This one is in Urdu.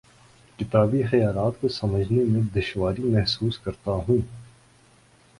کتابی خیالات کو سمجھنے میں دشواری محسوس کرتا ہوں